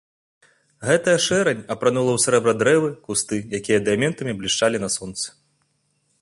Гэтая шэрань апранула ў срэбра дрэвы, кусты, якія дыяментамі блішчалі на сонцы.